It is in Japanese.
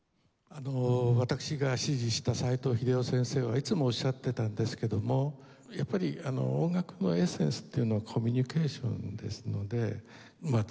私が師事した齋藤秀雄先生はいつもおっしゃっていたんですけどもやっぱり音楽のエッセンスっていうのはコミュニケーションですのでまあ